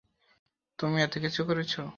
তুমি এতকিছু করেছ?